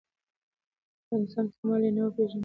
د انسان کمال یې نه وو پېژندلی